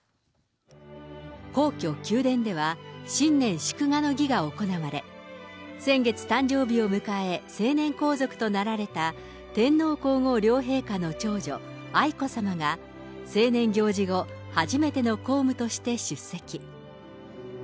皇居・宮殿では、新年祝賀の儀が行われ、先月、誕生日を迎え、成年皇族となられた天皇皇后両陛下の長女、愛子さまが成年行事後、初めての公務として出席。